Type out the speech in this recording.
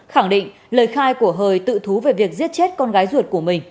khẳng định lời khai của hời tự thú về việc giết chết con gái ruột của mình